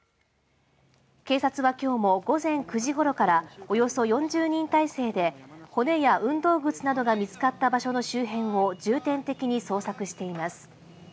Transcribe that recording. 警察はきょうも午前９時ごろから、およそ４０人態勢で、骨や運動靴などが見つかった場所の周辺を重点的に捜索しています。